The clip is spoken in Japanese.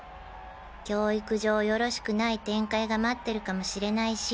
教育上よろしくない展開が待ってるかもしれないし。